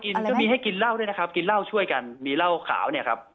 ก็มีให้กินเหล้าด้วยนะครับกินเหล้าช่วยกันมีเหล้าขาวเนี่ยครับ